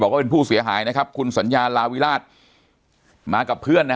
ว่าเป็นผู้เสียหายนะครับคุณสัญญาลาวิราชมากับเพื่อนนะฮะ